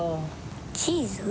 チーズ？